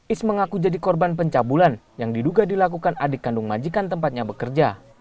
is mengaku jadi korban pencabulan yang diduga dilakukan adik kandung majikan tempatnya bekerja